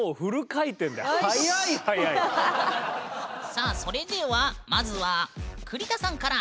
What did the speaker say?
さあそれではまずは栗田さんから。